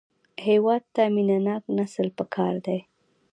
هېواد ته مینهناک نسل پکار دی